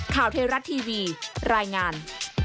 ข่าวเทราะห์ทีวีรายงาน